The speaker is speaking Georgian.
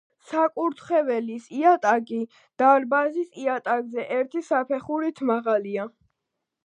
საკურთხევლის იატაკი დარბაზის იატაკზე ერთი საფეხურით მაღალია.